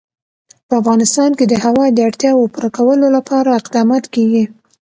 په افغانستان کې د هوا د اړتیاوو پوره کولو لپاره اقدامات کېږي.